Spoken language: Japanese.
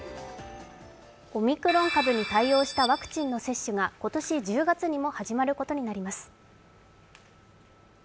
オミクロン株に対応したワクチンの接種が今年１０月にも始まることになります。